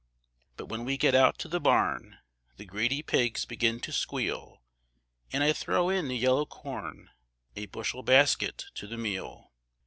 But when we get out to the barn The greedy pigs begin to squeal, An' I throw in the yellow corn, A bushel basket to the meal.